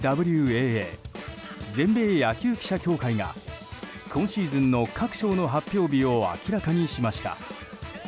ＢＢＷＡＡ・全米野球記者協会が今シーズンの各賞の発表日を明らかにしました。